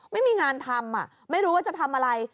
ไม่มีงานทำไม่รู้ว่าจะทำอะไร